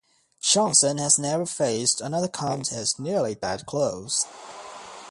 Johnson has never faced another contest nearly that close.